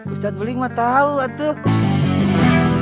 ustadz peling mah tau atuh